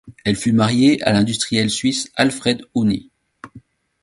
Elle fut mariée à l'industriel suisse Alfred Hüni.